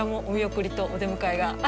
お見送りとお出迎えが。